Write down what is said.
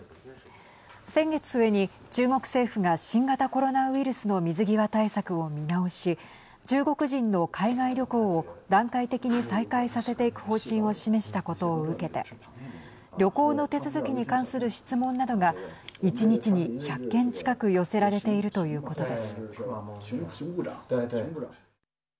先月末に中国政府が新型コロナウイルスの水際対策を見直し中国人の海外旅行を段階的に再開させていく方針を示したことを受けて旅行の手続きに関する質問などが１日に１００件近く寄せられているということです。